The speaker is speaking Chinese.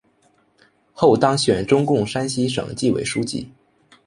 后当选中共山西省纪委书记。